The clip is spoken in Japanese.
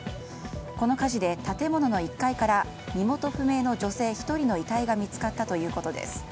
この火事で建物の１階から身元不明の女性１人の遺体が見つかったということです。